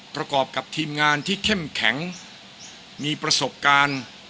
ประกอบกับทีมงานที่เข้มแข็งมีประสบการณ์